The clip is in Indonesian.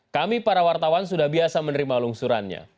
kami para wartawan sudah biasa menerima lungsurannya